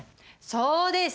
そうです。